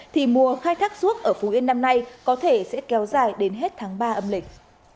thì mùa khai thác ruốc ở phú yên năm nay có thể sẽ kéo dài đến hết tháng ba âm lịch